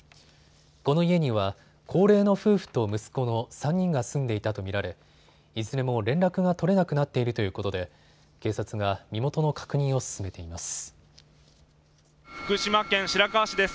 この家には高齢の夫婦と息子の３人が住んでいたと見られいずれも連絡が取れなくなっているということで警察が身元の確認を進めています。